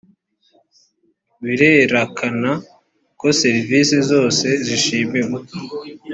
birerakana ko serivisi zose zishimiwe